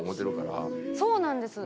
そうなんです。